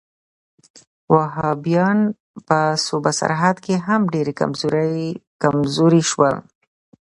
وهابیان په صوبه سرحد کې هم ډېر کمزوري شول.